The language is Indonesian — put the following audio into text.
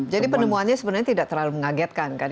jadi penemuannya sebenarnya tidak terlalu mengagetkan kan